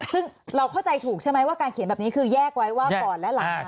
ซึ่งเราเข้าใจถูกใช่ไหมว่าการเขียนแบบนี้คือแยกไว้ว่าก่อนและหลัง